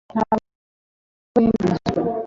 Ntabwo ari igihe cyizindi nzoga?